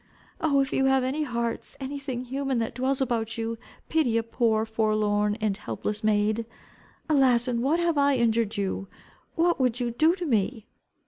"Oh, if you have any hearts, any thing human that dwells about you, pity a poor, forlorn, and helpless maid! Alas, in what have I injured you? What would you do to me?"